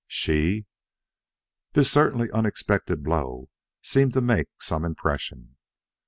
"She?" This certainly unexpected blow seemed to make some impression.